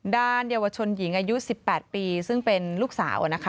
เยาวชนหญิงอายุ๑๘ปีซึ่งเป็นลูกสาว